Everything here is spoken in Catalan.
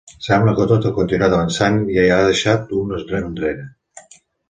Sembla que tot ha continuat avançant i ha deixat un enrere.